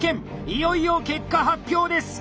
いよいよ結果発表です！